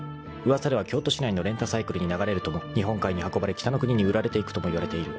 ［噂では京都市内のレンタサイクルに流れるとも日本海に運ばれ北の国に売られていくともいわれている］